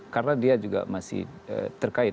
karena dia juga masih terkait